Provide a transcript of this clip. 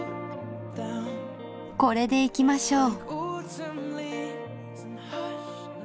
これでいきましょう。